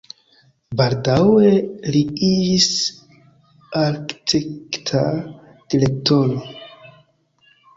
Baldaŭe li iĝis arkitekta direktoro.